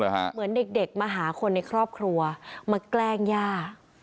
เหมือนเด็กมาหาคนในครอบครัวมาแกล้งย่า